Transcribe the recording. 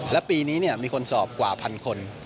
และปีนี้มีคนสอบกว่าพันคน